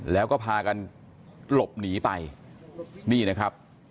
แล้วก็พากันหลบหนีไปนี่นะครับ